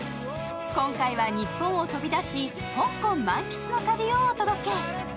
今回は日本を飛び出し香港満喫の旅をお届け。